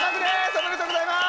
おめでとうございます。